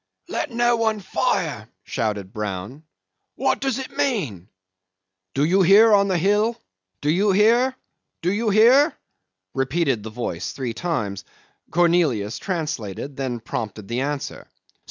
"Let no one fire," shouted Brown. "What does it mean?" ... "Do you hear on the hill? Do you hear? Do you hear?" repeated the voice three times. Cornelius translated, and then prompted the answer.